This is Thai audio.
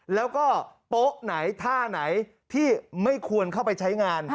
แล้วก็โป๊ะไหนท่าไหนที่ไม่ควรเข้าไปใช้งาน